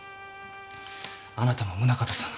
あなたも宗形さんも。